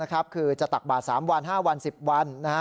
คือจะตักบาท๓วัน๕วัน๑๐วัน